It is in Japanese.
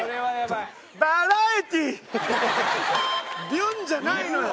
ビュン！じゃないのよ。